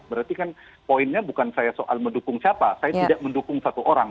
berarti kan poinnya bukan saya soal mendukung siapa saya tidak mendukung satu orang